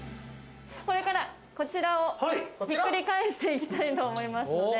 これから、こちらを、ひっくり返していきたいと思いますので。